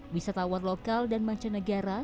wisata awal lokal dan mancanegara